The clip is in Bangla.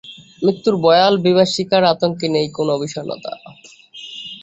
মৃত্যুর ভয়াল বিভীষিকার আতঙ্কে নেই কোন বিষন্নতা।